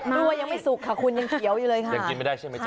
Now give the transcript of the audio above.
กล้วยยังไม่สุกค่ะคุณยังเขียวอยู่เลยค่ะยังกินไม่ได้ใช่ไหมจ